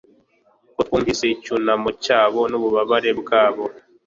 ko twumvise icyunamo cyabo nububabare bwabo